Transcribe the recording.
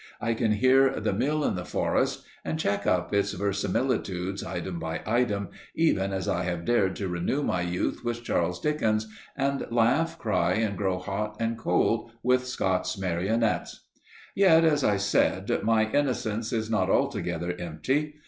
I can hear the "Mill in the Forest" and check up its verisimilitudes, item by item, even as I have dared to renew my youth with Charles Dickens, and laugh, cry, and grow hot and cold with Scott's marionettes. Yet, as I said, my innocence is not altogether empty.